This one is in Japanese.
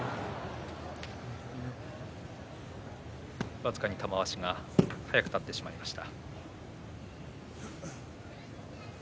僅かに玉鷲が早く立ってしまいました。